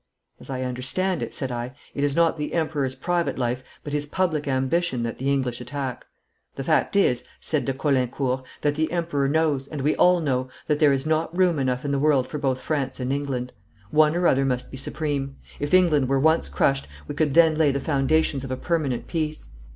'As I understand it,' said I, 'it is not the Emperor's private life, but his public ambition, that the English attack.' 'The fact is,' said de Caulaincourt, 'that the Emperor knows, and we all know, that there is not room enough in the world for both France and England. One or other must be supreme. If England were once crushed we could then lay the foundations of a permanent peace.